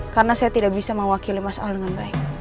karena saya tidak bisa mewakili mas al dengan baik